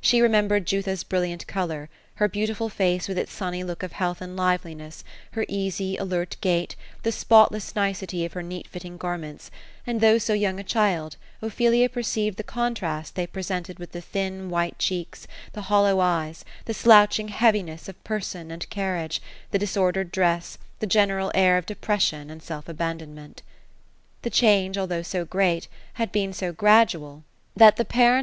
She remembered Jutha's brilliant color ; her beautiful face with its sunny look of healtb and liveliness ; her ea8y, alert gait ; the spotless nicety of her neat fitting garments ; and though so young a child, Ophe lia perceived the contrast they presented with the thin, white checks, the hollow eyes, the slouching heaviness of person and carriage, the disor dered dress, the general air of depression and self abandonment The change, although so great, had been so gradual, that the parents THE ROSE OF ELSINORE.